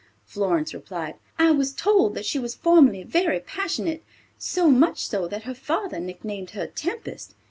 Florence replied, "I was told that she was formerly very passionate, so much so that her father nicknamed her Tempest.